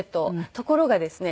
ところがですね